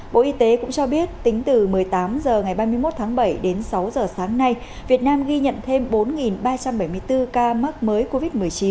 bộ y tế cũng cho biết tính từ một mươi tám h ngày ba mươi một tháng bảy đến sáu giờ sáng nay việt nam ghi nhận thêm bốn ba trăm bảy mươi bốn ca mắc mới covid một mươi chín